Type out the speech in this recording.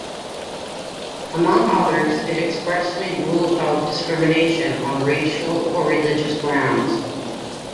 Among others, it expressly ruled out discrimination on racial or religious grounds.